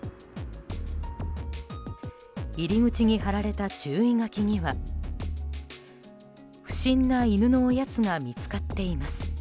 入り口に貼られた注意書きには不審な犬のおやつが見つかっています。